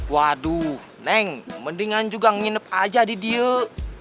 waduh neng mendingan juga nginep aja di diem